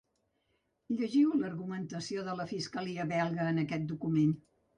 Llegiu l’argumentació de la fiscalia belga en aquest document.